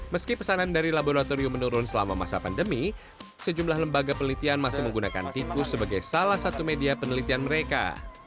meski pesanan dari laboratorium menurun selama masa pandemi sejumlah lembaga penelitian masih menggunakan tikus sebagai salah satu media penelitian mereka